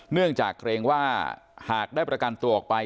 เนื่องจากเกรงว่าหากได้ประกันตัวออกไป